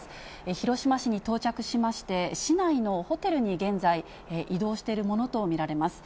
広島市に到着しまして、市内のホテルに現在、移動しているものと見られます。